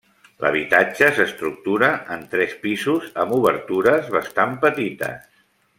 L'habitatge s'estructura en tres pisos amb obertures bastant petites.